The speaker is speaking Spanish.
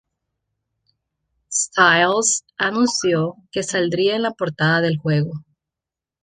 Styles anunció que saldría en la portada del juego.